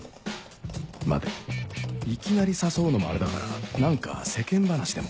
待ていきなり誘うのもあれだから何か世間話でも